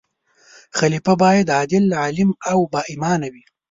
خلیفه باید عادل، عالم او با ایمان وي.